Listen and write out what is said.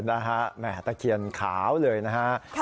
นะฮะแต่เขียนขาวเลยนะฮะ